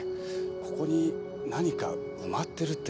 ここに何か埋まってるって。